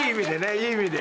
いい意味で。